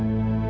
aku mau pergi